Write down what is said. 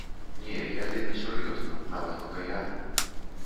Не, я вельмі сур'ёзна, нават пакаянна.